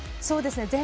そうですね。